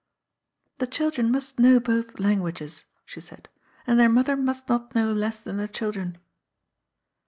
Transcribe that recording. '^ The children must know both languages," she said, " and their mother must not know less than the children."